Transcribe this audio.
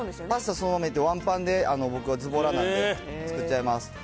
パスタそのまま入れて、ワンパンで僕はずぼらなんで作っちゃいます。